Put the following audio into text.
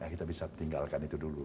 kita bisa tinggalkan itu dulu